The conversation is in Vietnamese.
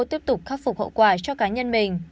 tiếp tục khắc phục hậu quả cho cá nhân mình